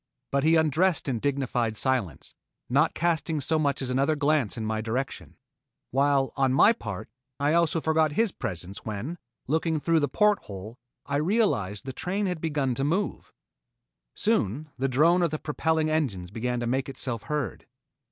But he undressed in dignified silence, not casting so much as another glance in my direction, while on my part I also forgot his presence when, looking through the port hole, I realized that the train had begun to move. Soon the drone of the propelling engines began to make itself heard.